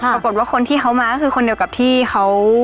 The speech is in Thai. ปรากฏว่าคนที่เขามาก็คือคนเดียวกับที่เขา